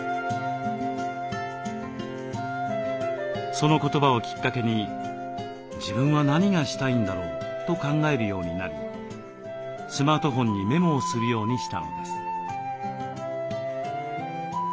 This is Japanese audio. その言葉をきっかけに「自分は何がしたいんだろう？」と考えるようになりスマートフォンにメモをするようにしたのです。